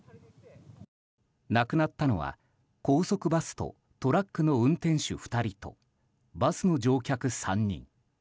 亡くなったのは高速バスとトラックの運転手２人とバスの乗客３人。